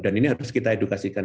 dan ini harus kita edukasikan